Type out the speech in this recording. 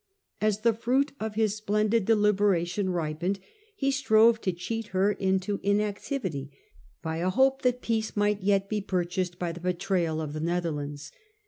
As the fruit of his splendid deliberation ripened he strove to cheat her into in f CHAP. IX EFFECTS OF HIS EXPLOITS 113 activity by a hope that peace might yet be purchased by the betrayal of the Netherlands.